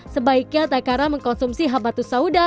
sebaiknya takara mengkonsumsi habatus sauda